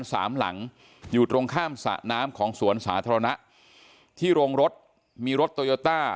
สามหลังอยู่ตรงข้ามสระน้ำของสวนสาธารณะที่โรงรถมีรถโตโยต้า